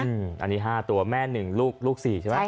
อันนี้๕ตัวแม่๑ลูก๔ใช่ไหม